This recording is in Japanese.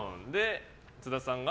津田さんが？